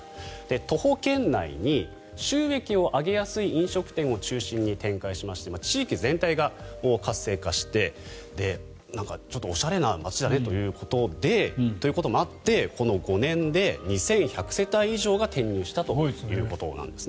徒歩圏内に収益を上げやすい飲食店を中心に展開しまして地域全体が活性化してちょっとおしゃれな街だねということもあってこの５年で２１００世帯以上が転入したということです。